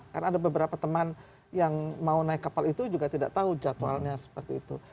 karena ada beberapa teman yang mau naik kapal itu juga tidak tahu jadwalnya seperti itu